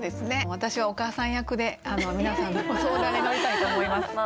私はお母さん役で皆さんのご相談に乗りたいと思います。